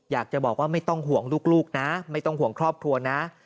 อยากจะบอกว่าไม่ต้องห่วงลูกนะไม่ต้องห่วงครอบครัวนะ